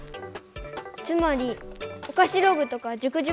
つまりおかしログとか塾塾